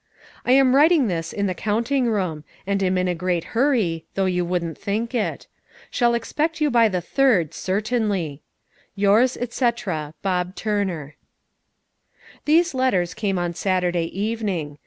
"I am writing this in the counting room, and am in a great hurry, though you wouldn't think it. Shall expect you by the third, certainly. "Yours, etc., "BOB TURNER." These letters came on Saturday evening.